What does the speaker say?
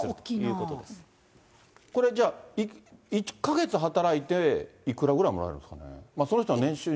これじゃあ、１か月働いていくらぐらいもらえるんですかね。